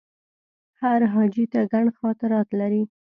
هر حاجي ته ګڼ خاطرات لري.